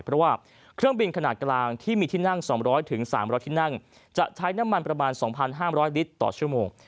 เพราะว่าเครื่องบินขนาดกลางที่มีที่นั่ง๒๐๐๓๐๐ที่นั่งจะใช้น้ำมันประมาณ๒๕๐๐ลิตรต่อชั่วโมง